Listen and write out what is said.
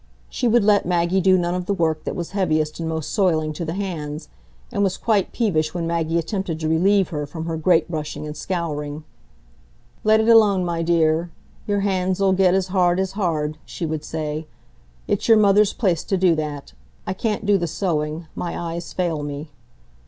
She would let Maggie do none of the work that was heaviest and most soiling to the hands, and was quite peevish when Maggie attempted to relieve her from her grate brushing and scouring: "Let it alone, my dear; your hands 'ull get as hard as hard," she would say; "it's your mother's place to do that. I can't do the sewing—my eyes fail me."